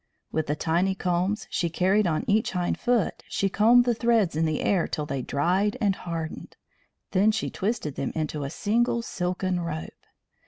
With the tiny combs she carried on each hind foot she combed the threads in the air till they dried and hardened; then she twisted them into a single silken rope.